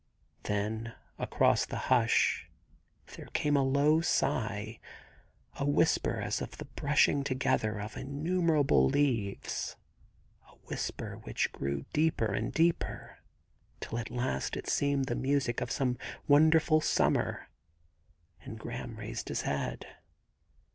Then across the hush there came a low sigh — a whisper as of the brushing together of innumerable leaves — a whisper which grew deeper and deeper, till at last it seemed the music of some wonderful summer, and Graham raised his head.